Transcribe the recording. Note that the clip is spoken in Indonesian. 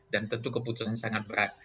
dan tentu keputusan sangat berat